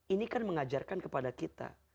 ini kan mengajarkan kepada kita